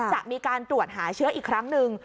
จะมีการตรวจหาเชื้ออีกครั้งหนึ่ง